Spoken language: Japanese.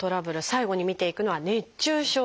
最後に見ていくのは熱中症です。